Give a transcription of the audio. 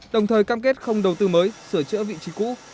đồng thời cam kết không đầu tư mới sửa chữa vị trí cũ